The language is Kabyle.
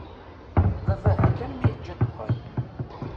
Baba hah kan mi yeǧǧa ddexxan.